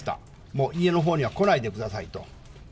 もう家のほうには来ないでくださいと。